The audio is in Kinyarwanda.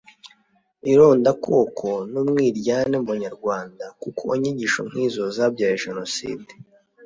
irondakoko n’umwiryane mu Banyarwanda kuko inyigisho nk’izo zabyaye Jenoside